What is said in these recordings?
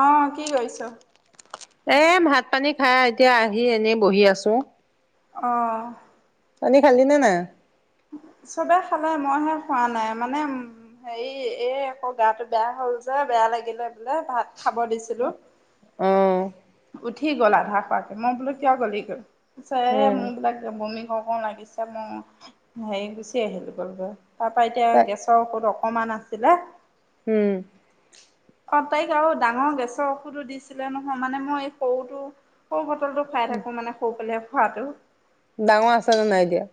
অ কি কৰিছ এ ভাত পানী খাই এতিয়া আহি এনেই বহি আছো অহ তহতি খালি নে নাই চবে খালে মইহে খোৱা নাই মানে হেৰি এই আকৌ গাটো বেয়া হ'ল যে বেয়া লাগিলে বোলে ভাত খাব দিছিলো অ উঠি গল আধা খোৱাকে মই বোলো কিয় গলি গৈ ছে উম মোৰ বোলে বমি- কও লাগিছে মই হেৰি গুচি আহিলো গ'ল গৈ তাৰ পা এতিয়া তাই গেছৰ ঔষধ অকমান আছিলে উম অ তাইক আৰু ডাঙৰ গেছৰ ঔষুধো দিছিলে নহয় মানে মই এই সৰুতো সৰু লটো খাই থাকো মানে স পেলাই। ভাটৌ ডাঙৰ আছে নে নাই এতিয়া।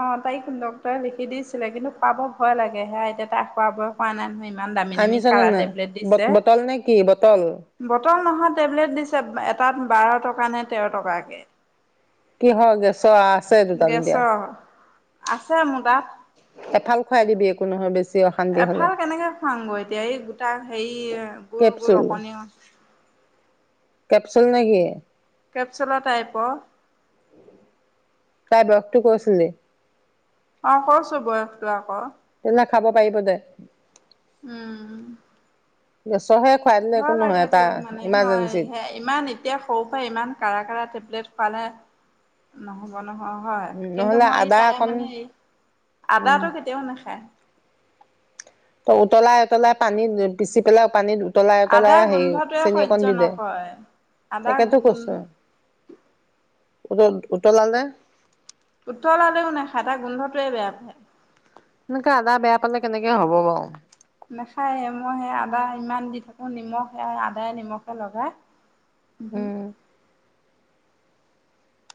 অ', তাইক লগ ই লিখি দিছিলে কিন্তু খোৱাব ভয় লাগে, সেয়াই এতিয়া তাৰ খোৱাৰ বয়স হোৱা নাই নহয়। ইমান দামী দামী আনিছনে কাৰা নাই টেবলেট ব দিছে। বটল নে কি বটল? বটল নহয় টেবলেট দিছে, এটাত বাৰ টকা নে তেৰ টকাকে কিহৰ গেছৰ আ গেছৰ। আছে মোৰ তাত। এফাল খুৱাই দিবি একো নহয় বেছ এফাল কেনেকে খুৱাংগৈ এতিয়া, এই গোটা হেৰি গোল গোল কেপচুল অকণি। কেপচুল নেকি? কেপচুলৰ টাইপ অ'। তাইৰ বয়সটো কৈছিলি? অ', কৈছো বয়সটো আকৌ। তেহ'লে খাব পাৰিব দে। উ'ম। গেছ ভয় লাগে তেওঁ মানে, হয় ইমাৰ্জেঞ্চিত। সে ইমান এতিয়া সৰু পৰা ইমান কাঢ়া কাঢ়া টেবলেট পালে নহ'ব। নহ হয়, উম কিন্তু নহ'লে মই আদা তাই অকণ মানে এই উম আদাটো কেতিয়াও নাখায়। ত উতলাই উতলাই পানীত পিচি পেলাই পানীত উতলাই আদা উতলাই হেই গোন্ধটোৱে চেনি অকন সহ্য দি দে, নকৰে আদা তাকেতো গোন্ধ কৈছো। উদত উতলালে। উতলালেও নাখায়, তাই গোন্ধটোৱে বেয়া পায়। এনেকে আদা বেয়া পালে কেনেকে হ'ব বাৰু। নাখায়ে, মই সেই আদা ইমান দি থাকো, নিমখ আদায়ে নিমখে লগাই। উমহু। উম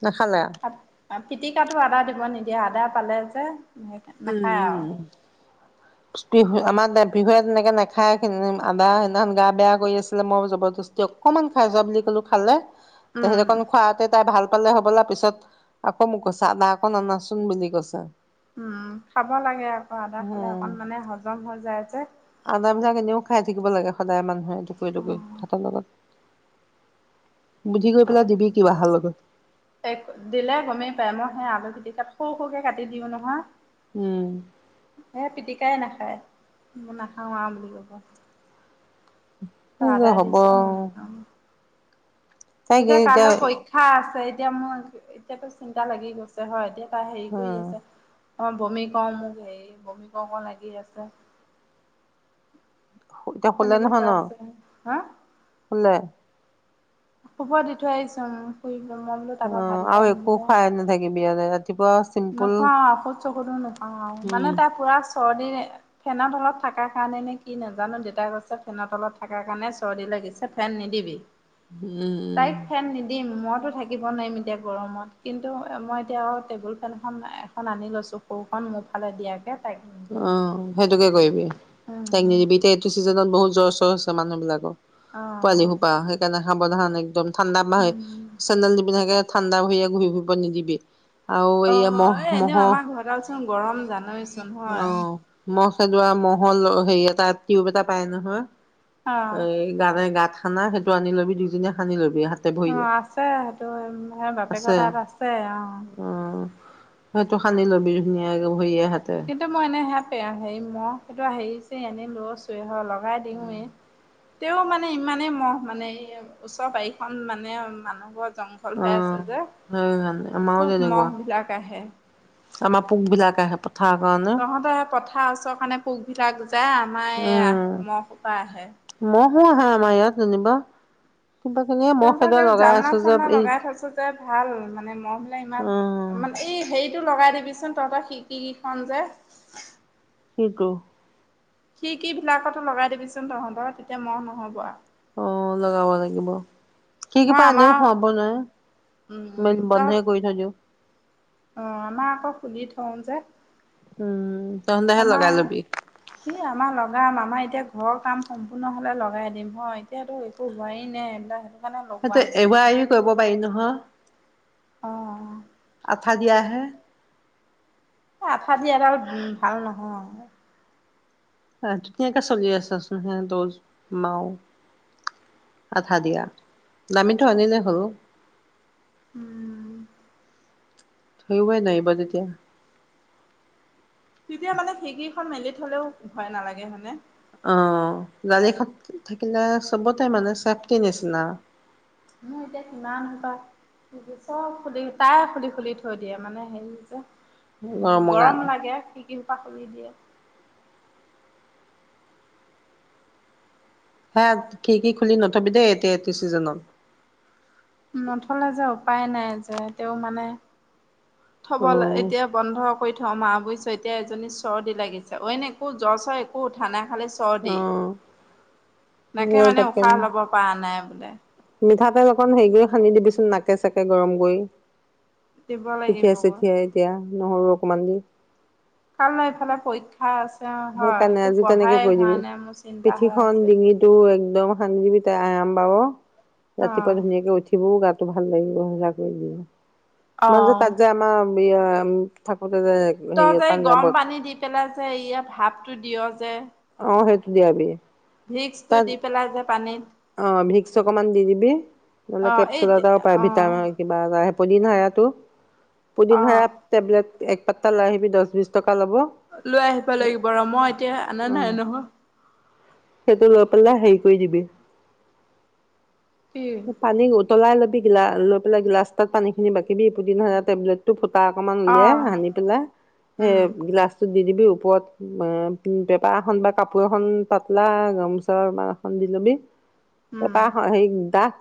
নাখালে আ পিটিকাটো আদা দিব নিদিয়ে, আদা পালে যে নাখায় আৰু উ'ম, উ'ম [inaudible] আমাৰ পিহুৱে তেনেকে নাখায় আদা, সেইদিনাখন গা বেয়া কৰি আছিলে ময়ো জবৰদস্তি অকমান খাই যোৱা বুলি ক'লো খালে। তে উম সেঁকন খুৱওঁতে তাই ভাল পালে হ'বলা, পিছত আকৌ মোক কৈছে, আদা অকন আনাচোন বুলি কৈছে। উ'ম খাব লাগে আকৌ, আদা খালে উম অকন মানে হজম হৈ যায় যে। আদাবিলাক এনেও খাই থাকিব লাগে সদায় মানুহে। টুকুৰি-টুকুৰি যে ভাতৰ লগত বুজি গৈ পেলাই দিবি কিবাহৰ লগত। তাই দিলে গমেই পায়, মই সেই আলু পিটিকাত সৰু-সৰুকে কাটি দিওঁ নহয়। উম। সেয়া পিটিকাই নাখ খাই, ম নাখাওঁ আৰু বুলি ক'ব। কি তই যে আদা হ'ব দিছ, মই নাখাওঁ। এতিয়া কাইলৈ পৰীক্ষা আছে এতিয়া মোৰ এতিয়াতো চিন্তা লাগি গৈছে হয়, এতিয়া তাই হেৰি কৰি উম, আছে। অকণ বমি কও মোক হেৰি বমি কৰো কৰো লাগি আছে। এতিয়া শুলে তেনেকে নহয় কৈ ন, আছে হা শুলে। শুব দি থৈ আহিছো আৰু, ফু অঁ আৰু একো খুৱাই নাথাকিবি আজি ৰা নোখাৱাও ঔষধ সৌষধু নোখোৱাও আৰু মানে উম, তাই পোৰা চৰ্দি ফেনৰ তলত থকাৰ কাৰণে নে কি নাজানো, দেউতাই কৈছে ফেনত তলত থকাৰ কাৰণে চৰ্দি লাগিছে ফেন নিদিবি। উম, উম। তাইক ফেন নিদিম। মইতো থাকিব নোৱাৰিম এতিয়া গৰমত, কিন্তু মই এতিয়া টেবুল ফেনখন এখন আনি লৈছো সৰু খন মোৰ ফালে দিয়াকে তাইক নিদিওঁ আৰু অঁ সেইটোকে কৰিবি, তাইক উম নিদিবি এতিয়া এইটো চিজনত বহুত জৰ চৰ আছে মানুহ বিলাকৰ। অ পোৱালি সোপা, সেইকাৰণে সাৱধান একদম ঠাণ্ডা বা উম ছেণ্ডেল নিপিনধাকে ঠাণ্ডা ভৰিয়ে ঘূৰি ফুৰিব নিদিবি। আৰু অ এইয়া এই মহ এনেও মোহো আমাৰ ঘৰডালচোন গৰম জান [unintelligible] হয়। মহ খেদোৱা মহৰ হেৰি এটা টিউব এটা পায় অ নহয়। এই গানে গাত সানা সেইটো আনি লবি, দুইজনীয়ে সানি লবি হাতে ভৰিয়ে অ' আছে সেইটো সেই বাপেকৰ আছে তাত আছে অ'। সেইটো সানি লবি ধুনীয়াকে ভৰিয়ে হাত কিন্তু মই এনেই হাত সেয়া হেৰি মহ খেদোৱা হেৰি তে এনে লৈছোৱে হয় ল ভৰাই দিওয়ে। তেওঁ মানে ইমানেই মহ মানে ওচৰ বাৰিখন মানে মানুহ ঘৰ জংঘল অ হৈ আছে যে, সেইকাৰণে আমাৰো খুব তেনেকুৱা মহ বিলাক আহে। আমাৰ পোক বিলাকে আহে পথাৰৰ কাৰণে তহঁতে এই পথাৰ আছো কাৰণে পোকবিলাক। যা আমাৰ এয়া মহ সোপা আহে। পোক আহে আমাৰ ইয়াত যেনিবা। কিবা কিনি মহ খেদোৱা তাৰপাছত এইবোৰ লগাই জালনা, আছো যে চালনা এই লগাই থৈছো যে, ভাল মানে মহবিলাক অ ইমান, মানে এই হেৰি সেইটো লগাই দিবিচোন, তহঁতৰ খিৰিকী কেইখন যে। কিটো? খিৰিকীবিলাকতো লগাই দিবিচোন তহঁতৰ, তেতিয়া মহ নহ'ব আৰু। অ' লগাব লাগিব। খিৰিকি মই পৰা আনিও আমাৰ খুৱাব নোৱাৰি, উম তহঁত মেলি-বন্ধই কৰি থৈ দিও। অ', আমাৰ আকৌ খুলি থওঁ যে উম, তহঁতেহে আমাৰ লগাই ল'বি। ই আমাৰ লগাম আমাৰ এতিয়া ঘৰৰ কাম সম্পূৰ্ণ হ'লে লগাই দিম হয়, এতিয়াতো একো হোৱাই নাই এইবিলাক। কাৰণে লগোৱা সেইটো নাই এৰুৱা-এৰুইও কৰিব পাৰি নহয়। অ', অ'। আঠা দিয়া হে। এ' আঠা দিয়া এইডাল উম ভাল নহয়। অ', ধুনীয়াকে চলি আছেচোন, হে তজ, মাও, আঠা দিয়া, দামীটো আনিলেই হ'ল। উম। থাকিবই নাহিব তেতিয়া। তেতিয়া মানে খিৰিকী খন মেলি থ'লেও ভয় নালাগে মানে, হয়নে? অ', গাড়ীখন থাকিলে চবতে মানে চেফটিৰ নিচিনা। মোৰ এতিয়া কিমান সোপা খিৰিকী, চব খুলি, প্ৰায় খুলি, খুলি থৈ দিয়ে, মানে হেৰি যে। উম গৰমৰ গৰম কাৰণে লাগে, খিৰিকী কি সোপা কৰি দিয়ে। হেত, খিৰিকী খুলি নথ'বি দেই এতিয়া এইটো চিজনত। নথ'লে যে উপায় নাই যে, তেওঁ মানে অ থ'বলে-এতিয়া বন্ধ। কৰি থ মা বুইছ, এতিয়া এজনী চৰ্দি লাগিছে, অইন একো জ্বৰ-চৰ একো উঠা নাই। খালি অ চৰ্দি, নাকে সেই মানে তাকে উশাহ ল'ব পৰা নাই। দে মিঠাতেল অকণ হেৰি কৰি সানি দিবিচোন নাকে- চাকে গৰম কৰি। দিব লাগিবগৈ পিঠিয়ে-চিঠিয়ে এতিয়া। নহৰু অকমান দি। কাইলৈ ইফালে পৰীক্ষা আছ সেইকাৰণে আজি তেনেকে কৰি দিবি, মোৰ চিন্তা হৈ পিঠিখনন, আছে ডিঙিটো এক তেল অকণ সানি দিবি, তাই আৰাম পাব। অ ৰাতিপুৱা ধুনীয়াকে উঠিবও গা ভাল [unintelligible] অ মই যে তাত যে আমাৰ [unintelligible] তই হেৰিয়ত যে গৰম পাঞ্জাৱত পানী দি পেলাই যে এইয়া ভাপ টো দিয় যে। অহ ', সেইটো দিয়াবি ভিক্স টো দি পেলাই যে পানীত। অহ ', ভিক্স অকমান দি দিবি নহলে অ এই কেপচুল এটা পায় অ ভিটামিন কিবা। পদিনহাৰাতো অ পুদিনহাৰা টেবলেট এক পাততা লৈ আহিবি দহ বিশ টকা ল'ব অ' লৈ আহিব লাগিব ৰ মই এতিয়া আনা নাই নহয়। সেইটো লৈ পেলে হেৰি কৰি দিবি। কি পানী গ। উতলাই ল'বি গিলা লৈ পেলাই গিলাছ এটাত পানীখিনি বাকি দি পুদিনহাৰা তেবলেটটো ফুত তাৰ অকমান উলিয়াই অ আনি পেলাই সেই গিলাচটো। দি দিবি ওপৰত এ পেপাৰ এখন বা কাপোৰ এখন পাতলা গামোচা বা এখন দি লবি। এ তাৰ সেৰি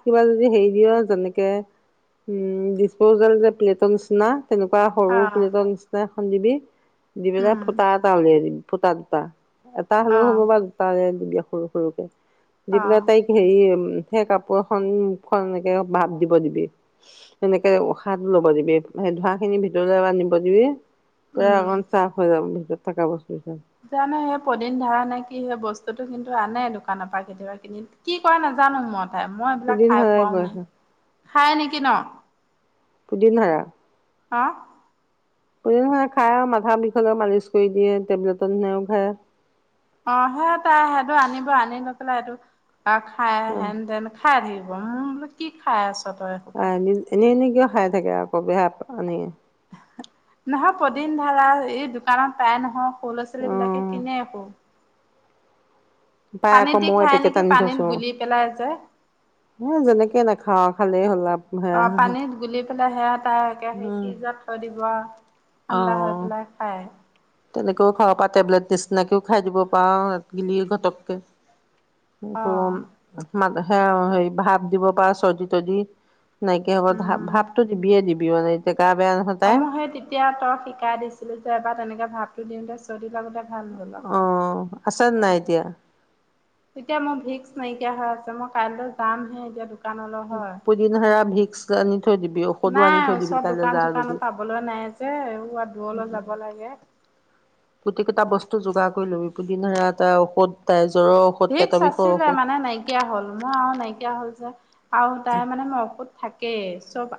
কিবা যদি হেৰি দিয় যেনেকে উম', ডিচপজেল যে প্লেটৰ নিচিনা। তেনেকুৱা সৰু প্লেটৰ নিচিনা। খন দিবি। দি বেলে ফুটা এটা উলিয়াই দিবি। ফুটা দুটা এটা হ'লেও হ'ব বা দুটা হলে য়া সৰু - সৰুকৈ যিবিলাক তাইক হেৰিম। সেই কাপোৰ। মুখ খন এনেকে ভাপ দিব দিবি এনেকে উসাদ ল'ব দিবি ধোৱাঁ খিনি ভিতৰলৈ এবাৰ নিব দিবি। পুৰা উম। একদম চাফ হৈ যাব ভিতৰত। থাকাব। জানো হে পদিন ধাৰা নে কি হে বস্তু বস্তুটো কিন্তু আনে দোকানৰ পৰা কেতিয়াবা কিনি কি কয় নাজানো মই হেয়া মই এইবিলাক পুদিন খাই হৰাই পোৱাও গৈ নাই খাই নেকি ন পুদিনহাৰা হা পুদিনহাৰা খাই আৰু মাথা বিষ হলেও মালিচ কৰি দিয়ে টেবলেটৰ নিচিনাও খায় অ সেই তাই সেইটো আনিব আনি লৈ পেলাই এইটো এয়া খাই অ হেন দেন খাই থাকিব মই বোলে কি খাই আছ তই এসোপা। আ নি এনে নি কিয় খাই থাকে আক বেহা উম নহয় পদিন ধাৰা এই দোকানত পায় নহয় ল'ৰা অ ছোৱালী বিলাকে কিনে আকৌ পাই পানীত আকৌ দি মই খাই এপেকেট নেকি আনি পানীত থৈছো গুলি পেলাই যে। হ যেনেকে নাখাও ভালে হ'লা অ পানীত গুলি পেলাই সেয়া তাইকে সেই উম ফ্ৰিজত থৈ দিব আও ঠাণ্ডা হৈ পেলাই খাই তেনেকেও খাব পাঅ টেবলেট নিচিনাকেও খাই দিব পাঅ গিলি ঘটককে কি অ কঅ ম মাক দে অ সেই ভাপ দিব পাঅ চজি তজি নাইকিয়া হ'ব ভাপটো দিবিয়ে দিবি [unintelligible] তাই অম সেই তেতিয়া তই শিকাই দিছিলি যে এবাৰ তেনেকে ভাব [unintelligible] দিত লাগোতে ভাল হ'ল অ আক আছে নাই এতিয়া এতিয়া মোৰ ভিক্স নাইকিয়া হৈ আছে মই কাইলৈ যামহে এতিয়া ভি পুদিন সেৰা ভিক্স আনি থৈ দিবি ঔষধো আনি নাই থৈ দিবি ওচৰত কাইলৈ দোকান যাৱ চোকানো যদি পাবলৈ নাই যে দূৰলৈ যাব লাগে গুটিকেটা বস্তু যোগাৰ কৰি লবি পুদিন হাৰা এটা ঔষধ তাই জ্বৰৰ ঔষধ ভিক্স পেটৰ বিষৰ আছিলে ঔষধ মানে নাইকিয়া হল মোৰ আৰু নাইকিয়া হল যে আৰু তাই মানে মই ঔষুধ থাকে চব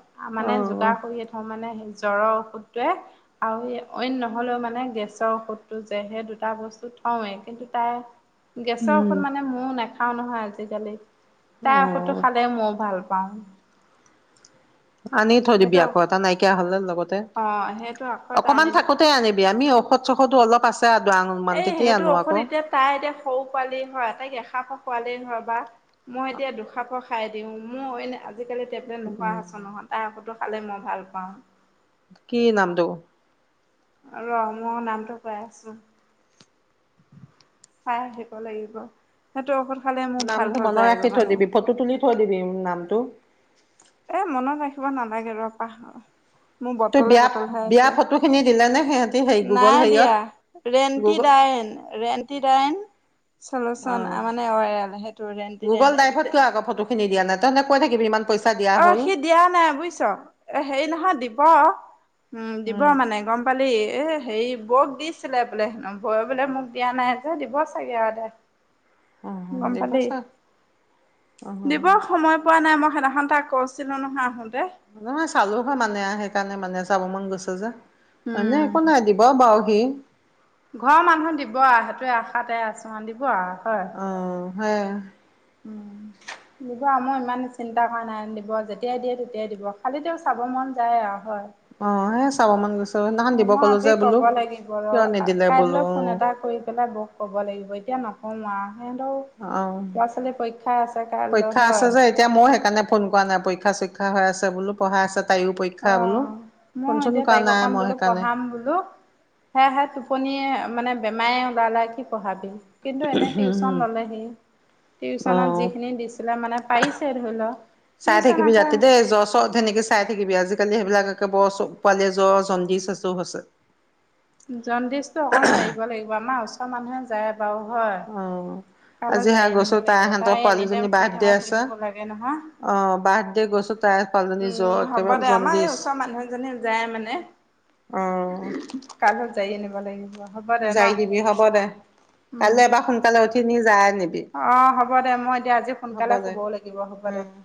অ মানে যোগাৰ কৰিয়ে থওঁ মানে হে জ্বৰৰ ঔষধটোৱে আৰু অইন নহলেও মানে গেছৰ ঔষধটো যে সেই দুটা বস্তু থওঁৱেই কিন্তু তাই উম [unintelligible] খাও নহয় আজিকালি। তাই ঔষধটো উম খালে ময়ো ভাল পাওঁ। আনি থৈ দিবি সেইটো আকৌ এটা নাইকিয়া হ'লে লগতে অঁ সেইটো আকৌ এটা অকমান আনি থাকোতে আনিবি আমি ঔষধ [unintelligible] অলপ আছ এই সেইটো ঔষধ এতিয়া তাই এতিয়া সউ পোৱালি হয়, তাই [unintelligible] পোৱালি ঘৰ বা মই এতিয়া দুখাপৰ খাই দিওঁ মোৰ [unintelligible] আজিকালি টেবলেট নোখোৱা উম হৈছে নহয় তাই [unintelligible] টো খালে মই ভাল পাওঁ। কি নামটো? ৰ মই নামটো কৈ আছো। চাই আহিব লাগিব সেইটো ঔষধ খালে মোৰ ভাল নামটো হৈ মনত যায়গৈ ৰাখি থৈ মানে দিবি ফটো তুলি থৈ দিবি নামটো। এ মনত ৰাখিব নালাগে ৰ পাহৰ মোৰ তই বটলে বিয়া বটল হৈ বিয়া আছে ফটো খিনি দিলে নে সিহঁতি হেৰি গুগল নাই হেৰিয়ত দিয়া গুগল ৰেণ্টিডাইন ৰেণ্টিডাইন চলোচন অ মানে অইল সেইটো গুগল ৰেণ্টিাইন ড্ৰাইভত এইটোতে কিয় আগৰ ফটোখিনি দিয়া নাই তহঁতে কৈ থাকিবি ইমান পইচা দিয়া অ', হ'ল। সি দিয়া নাই বুইছ হেৰি নহয় দিব। উম, দিব মানে গম পালি? এ হেৰি বৌক দিছিলে বোলে হেনো বৌ বোলে মোক দিয়া নাই যে, দিব চাগে আৰু দে। অ গম দিব পালি? চা অ দিব সময় পোৱা নাই মোক সেনাসন‌‌ তাক কৈছিলো নহয়‌ আহো নহয় চালো হয়, মানে সেইকাৰণে মানে চাব মন গৈছে যে মানে উম একো নাই দিব বাউ [unintelligible] ঘৰৰ মানুহ দিব সেইটোৱে আশাতে আছো [unintelligible] [unintelligible] হয় হয়। উম, দিব মই ইমান চিন্তা কৰা নাই দিব যেতিয়াই দিয়ে তেতিয়াই দিব খালি তেওঁ চাব মন যায় আৰু হয়। অ', এ চাব মন গৈছি অ', মই আজি ক'ব লাগিব ৰ কিয় নিদিলে বোলো কাইলৈ ফোন এটা কৰি পেলাই বৌক ক'ব লাগিব এতিয়া নক [unintelligible] অ', আছে কাইলৈ পৰীক্ষা আছে হয় যে, এতিয়া মই সেইকাৰণে ফোন কৰা নাই পৰীক্ষা চই হৈ আছে বোলো প়ঢ়াই আছে তাইও পৰীক্ষা বোলো অহ ', ফোন মই চোন এতিয়া কৰা তাইক নাই অকন মই বোলো সেইকাৰণে পঢ়াম বোলো সেহে টোপনিহে মানে। বেমাৰে এৰা নাই কি পঢ়াবি। কিন্তু এনে টিউচন ললেহি টিউচনত অ যিখিনি দিছিলে মানে পাৰিছে ধৰি লও চাই টিউচন থাকিবি আকৌ আজি সেইবিলাককে বৰ চ পোৱালিৰে জ্বৰ জণ্ডিচ চব হৈছে। জণ্ডিছ টো অকমান জাৰিব লাগিব আমাৰ ওচৰ মানুহে। জাৰে। বাও ঘৰ অ আজি [unintelligible] যায় সেয়া আনিব গৈছো লাগিব, তাইহঁতৰ তাই এনিটাইম পোৱালীজনী শুই থাকো, বাৰ্থডে শুই আছে থাকো লাগে নহয়, অ বাৰ্থডে গৈছো তাই পোৱালীজনী জ্বৰ উম', হ'ব একেবাৰে দে আমাৰ এই জণ্ডিচ ওচৰৰ মানুহজনী যায় মানে, অ কাৰ লগত যায়। [unintelligible] লাগিব। যাই দিবি, হ'ব দে, কাইলৈ এবাৰ সোনকালে উঠি নিজ। যাই। আনিবি অহ', হ'ব দে, মই এতিয়া আজি হ'ব সোনকালে দে শুবও লাগিব। হ'ব দে। উম